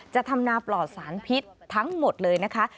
ทำนาปลอดสารพิษทั้งหมดเลยนะคะ